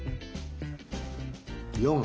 ４。